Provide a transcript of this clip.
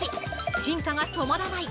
進化が止まらない！